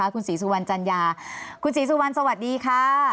คุณศรีสุวรรณจัญญาคุณศรีสุวรรณสวัสดีค่ะ